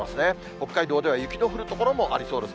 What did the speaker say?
北海道では雪の降る所もありそうです。